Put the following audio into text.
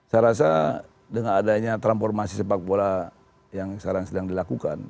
saya rasa dengan adanya transformasi sepak bola yang sekarang sedang dilakukan